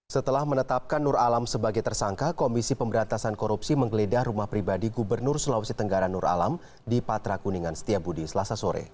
setelah menetapkan nur alam sebagai tersangka komisi pemberantasan korupsi menggeledah rumah pribadi gubernur sulawesi tenggara nur alam di patra kuningan setiabudi selasa sore